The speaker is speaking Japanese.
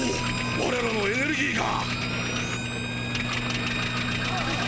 われらのエネルギーが。